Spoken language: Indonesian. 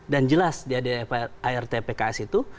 dan jelas di adart pks itu